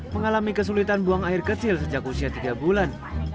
mengalami kesulitan buang air kecil sejak usia tiga bulan